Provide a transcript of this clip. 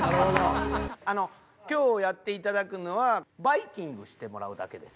今日やって頂くのはバイキングしてもらうだけです。